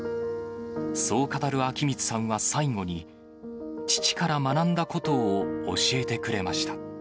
そう語る昭光さんは最後に、父から学んだことを教えてくれました。